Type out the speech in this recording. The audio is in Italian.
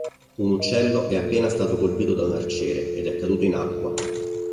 Un uccello è appena stato colpito da un arciere ed è caduto in acqua.